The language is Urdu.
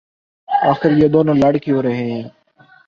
آخر یہ دونوں لڑ کیوں رہے ہیں